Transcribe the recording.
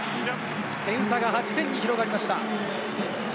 点差が８点に広がりました。